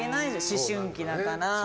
思春期だから。